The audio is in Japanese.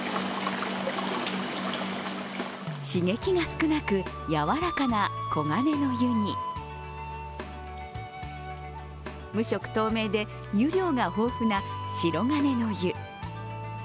刺激が少なくやわらかな黄金の湯に無色透明で湯量が豊富な白銀の湯。